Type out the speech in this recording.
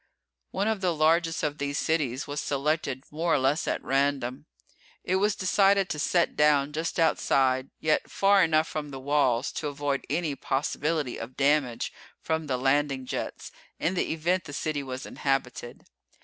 One of the largest of these cities was selected more or less at random. It was decided to set down just outside, yet far enough from the walls to avoid any possibility of damage from the landing jets in the event the city was inhabited.